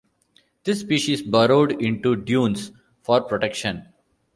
This species burrowed into dunes for protection.